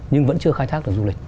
nhưng vẫn chưa khai thác được du lịch